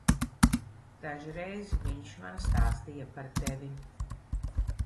Dažreiz viņš man stāstīja par tevi.